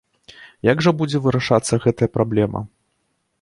Як жа будзе вырашацца гэтая праблема?